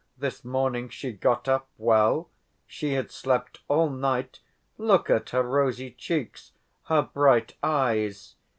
This morning she got up well; she had slept all night. Look at her rosy cheeks, her bright eyes!